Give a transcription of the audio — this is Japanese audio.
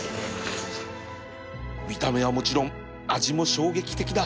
見た目はもちろん味も衝撃的だ